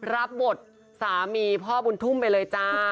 รับบทสามีพ่อบุญทุ่มไปเลยจ้า